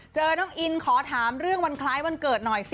เจอน้องอินขอถามเรื่องวันคล้ายวันเกิดหน่อยสิ